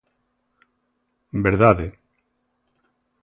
Verdade.